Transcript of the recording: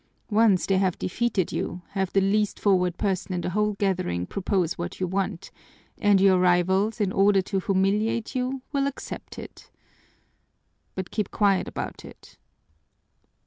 Once they have defeated you, have the least forward person in the whole gathering propose what you want, and your rivals, in order to humiliate you, will accept it.' But keep quiet about it."